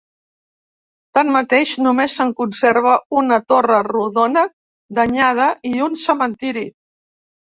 Tanmateix, només se'n conserva una torre rodona danyada i un cementiri.